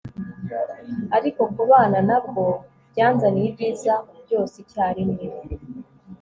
ariko kubana na bwo byanzaniye ibyiza byose icyarimwe